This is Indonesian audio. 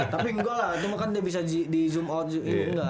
tapi nggak lah itu kan dia bisa di zoom out gitu